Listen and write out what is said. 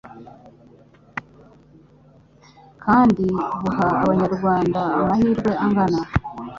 kandi buha Abanyarwanda amahirwe angana